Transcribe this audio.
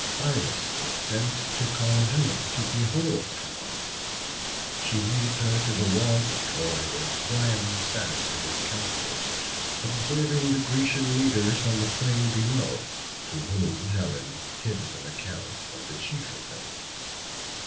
Iris is sent to call Helen to behold the fight. She leads her to the walls of Troy, where Priam sat with his counsellors, observing the Grecian leaders on the plain below, to whom Helen gives an account of the chief of them.